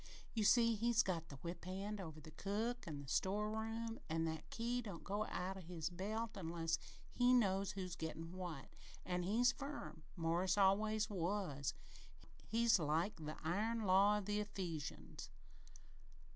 "You see, he's got the whip hand over the cook an' the sto'eroom, an' that key don't go out o' his belt unless he knows who's gettin' what an' he's firm. Morris always was. He's like the iron law of the Ephesians."